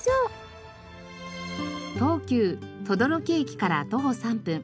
東急等々力駅から徒歩３分。